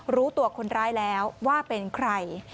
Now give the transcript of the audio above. รู้ตัวคนร้ายแล้วว่าเป็นใคร